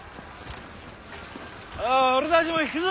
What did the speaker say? おう俺たちも引くぞ！